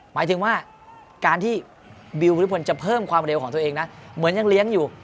หมายถึงว่าการที่บิวภูริพลจะเพิ่มความเร็วของตัวเองนะเหมือนยังเลี้ยงอยู่